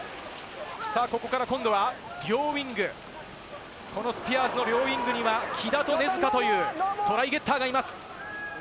ここから今度は両ウイング、スピアーズの両ウイングには木田と根塚というトライゲッターがいます。